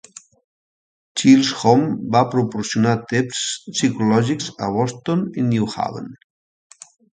Chisholm va proporcionar tests psicològics a Boston i New Haven.